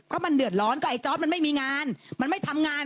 ก็มันเดือดร้อนกับไอ้จอร์ดมันไม่มีงานมันไม่ทำงาน